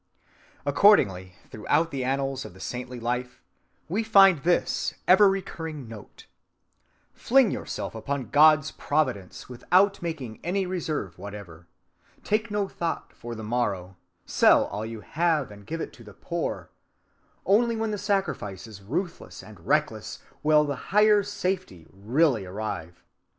Accordingly, throughout the annals of the saintly life, we find this ever‐ recurring note: Fling yourself upon God's providence without making any reserve whatever,—take no thought for the morrow,—sell all you have and give it to the poor,—only when the sacrifice is ruthless and reckless will the higher safety really arrive.